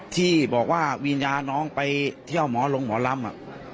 ที่บอกว่าวิญญาณน้องไปเที่ยวหมอลงหมอลำ